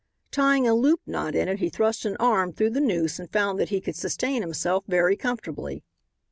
Tying a loop knot in it he thrust an arm through the noose and found that he could sustain himself very comfortably.